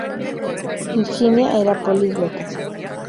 Virginia era políglota.